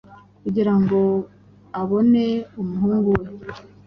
kugira ngo abone umuhungu we,